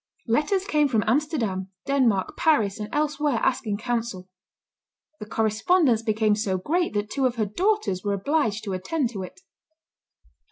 Letters came from Amsterdam, Denmark, Paris, and elsewhere, asking counsel. The correspondence became so great that two of her daughters were obliged to attend to it.